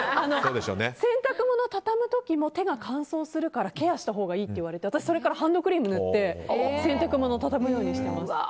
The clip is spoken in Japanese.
洗濯物を畳む時も手が乾燥するからケアしたほうがいいって言われ私はハンドクリームを塗って洗濯物を畳むようにしています。